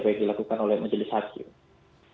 yang dilakukan oleh majelis hakim